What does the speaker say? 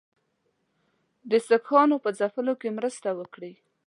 د سیکهانو په ځپلو کې مرسته وکړي.